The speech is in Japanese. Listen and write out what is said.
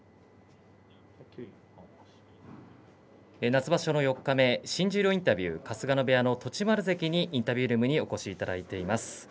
夏場所四日目新十両インタビュー春日野部屋の栃丸関にインタビュールームにお越しいただいています。